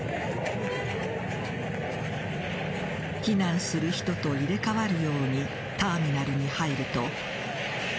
避難する人と入れ替わるようにターミナルに入ると。